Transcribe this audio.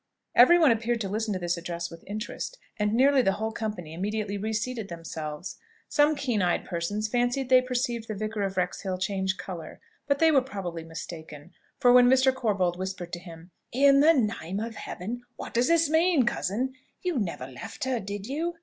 Every one appeared to listen to this address with interest, and nearly the whole company immediately reseated themselves. Some keen eyed persons fancied they perceived the Vicar of Wrexhill change colour; but they were probably mistaken; for when Mr. Corbold whispered to him, "In the name of Heaven, what does this mean, cousin! You never left her, did you?"